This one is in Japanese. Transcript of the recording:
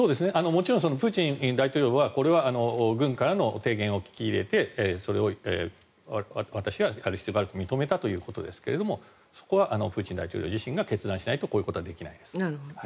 もちろんプーチン大統領はこれは軍からの提言を聞き入れてそれを私はやる必要があると認めたということですがそこはプーチン大統領自身が決断しないとこういうことはできないです。